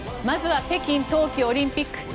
まずは北京冬季オリンピック。